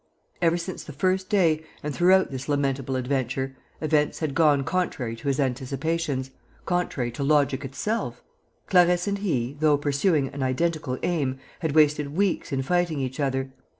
Ever since the first day and throughout this lamentable adventure, events had gone contrary to his anticipations, contrary to logic itself. Clarisse and he, though pursuing an identical aim, had wasted weeks in fighting each other.